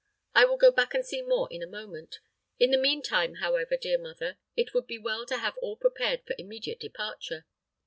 I will go back and see more in a moment. In the mean time, however, dear mother, it would be well to have all prepared for immediate departure.